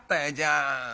あ